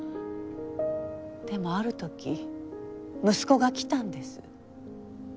でもある時息子が来たんです。